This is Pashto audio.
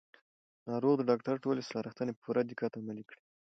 ناروغ د ډاکټر ټولې سپارښتنې په پوره دقت عملي کړې